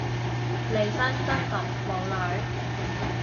利申真毒冇女